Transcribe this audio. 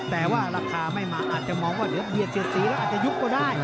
แต่ว่าราคาไม่มาอาจจะมองว่าเดี๋ยวเบียดเสียดสีแล้วอาจจะยุบก็ได้